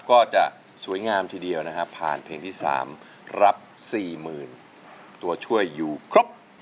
ก็จะสวยงามทีเดียวนะฮะผ่านเพลงที่๓รับ๔๐๐๐ตัวช่วยอยู่ครบ